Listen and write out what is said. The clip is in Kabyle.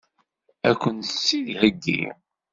Ad kent-tt-id-theggi?